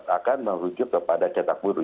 akan menuju kepada cetak biru